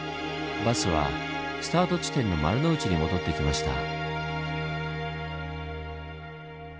バスはスタート地点の丸の内に戻ってきました。